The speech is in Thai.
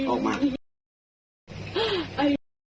ออกมา